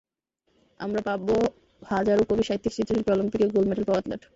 আমরা পাব হাজারো কবি, সাহিত্যিক, চিত্রশিল্পী, অলিম্পিকে গোল্ড মেডেল পাওয়া অ্যাথলেট।